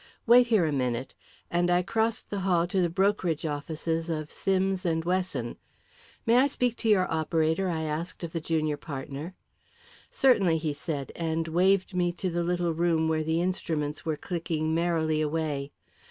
Wait here a minute," and I crossed the hall to the brokerage offices of Sims & Wesson. "May I speak to your operator?" I asked of the junior partner. "Certainly," he said, and waved me to the little room where the instruments were clicking merrily away.